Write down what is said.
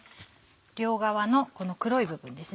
両側のこの黒い部分です。